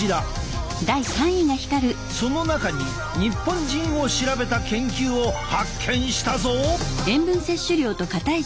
その中に日本人を調べた研究を発見したぞ！